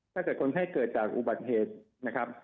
ถ้าเกิดคนไข้เกิดจากอุบัติเหตุนะครับ